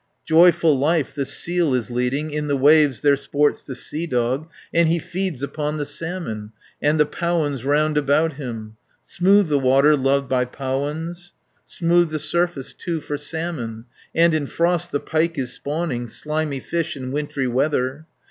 "Joyful life the seal is leading, In the waves there sports the sea dog, And he feeds upon the salmon, And the powans round about him. "Smooth the water loved by powans, Smooth the surface, too, for salmon; And in frost the pike is spawning, Slimy fish in wintry weather.